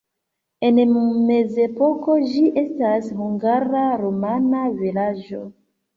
En mezepoko ĝi estis hungara-rumana vilaĝo.